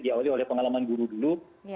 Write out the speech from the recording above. diawali oleh pengalaman guru dulu